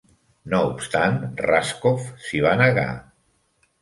No obstant, Raskob s'hi va negar.